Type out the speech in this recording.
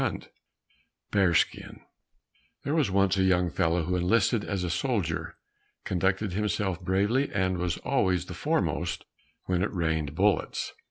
101 Bearskin There was once a young fellow who enlisted as a soldier, conducted himself bravely, and was always the foremost when it rained bullets.